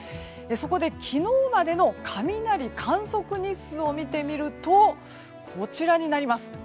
そこで昨日までの雷観測日数を見てみるとこちらになります。